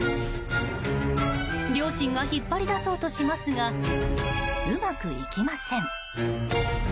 両親が引っ張り出そうとしますがうまくいきません。